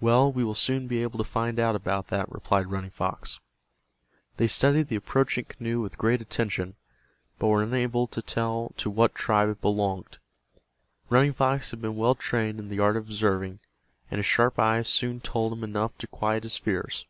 "Well, we will soon be able to find out about that," replied Running Fox. They studied the approaching canoe with great attention, but were unable to tell to what tribe it belonged. Running Fox had been well trained in the art of observing, and his sharp eyes soon told him enough to quiet his fears.